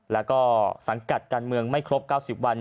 แล้วก็สังกัดการเมืองไม่ครบ๙๐วัน